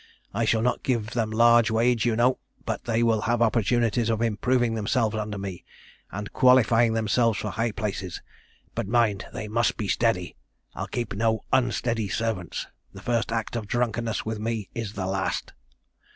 I shall not give them large wage, you know; but they will have opportunities of improving themselves under me, and qualifying themselves for high places. But mind, they must be steady I'll keep no unsteady servants; the first act of drunkenness, with me, is the last.